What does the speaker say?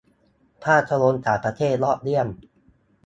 - ภาพยนตร์ต่างประเทศยอดเยี่ยม